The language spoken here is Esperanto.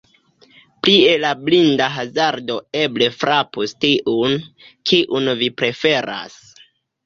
Plie la blinda hazardo eble frapus tiun, kiun vi preferas.